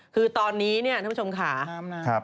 คือตอนนี้เนี่ยท่านผู้ชมค่ะ